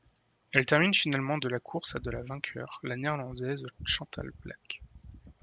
Elle termine finalement de la course à de la vainqueur, la Néerlandaise Chantal Blaak.